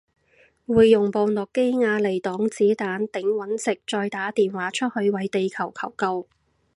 會用部諾基亞嚟擋子彈頂隕石再打電話出去為地球求救